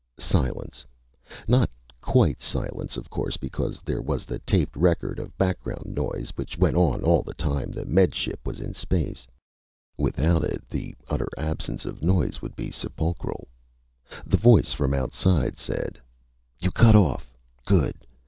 Silence. Not quite silence, of course, because there was the taped record of background noise which went on all the time the Med Ship was in space. Without it, the utter absence of noise would be sepulchral. The voice from outside said: "_You cut off. Good!